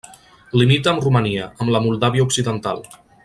Limita amb Romania, amb la Moldàvia Occidental.